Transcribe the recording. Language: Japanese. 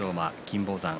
馬、金峰山